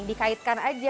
kira dua dikaitkan saja